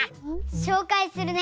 しょうかいするね！